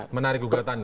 menarik gugatan itu